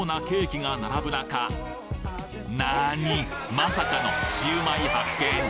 まさかのシウマイ発見！